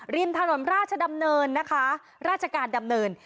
ริมถนนราชดำเนินนะคะราชการดำเนิน